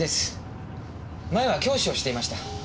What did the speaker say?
前は教師をしていました。